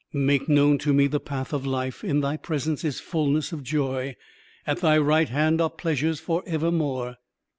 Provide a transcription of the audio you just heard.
"Make known to me the path of life; in Thy presence is fulness of joy; at Thy right hand are pleasures for evermore."